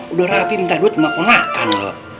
udah rapi minta duit sama ponakan lo